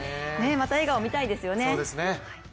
また笑顔を見たいですよね。